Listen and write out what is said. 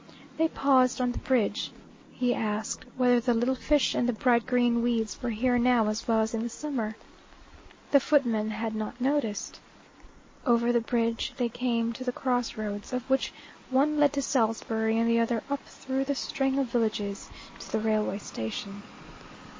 They paused on the bridge. He asked whether the little fish and the bright green weeds were here now as well as in the summer. The footman had not noticed. Over the bridge they came to the cross roads, of which one led to Salisbury and the other up through the string of villages to the railway station.